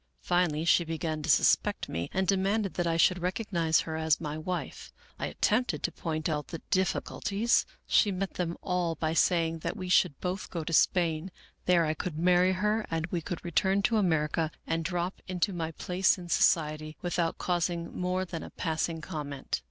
Finally she began to suspect me and de manded that I should recognize her as my wife. I at tempted to point out the difficulties. She met them all by saying that we should both go to Spain, there I could marry her and we could return to America and drop into my place in society without causing more than a passing comment.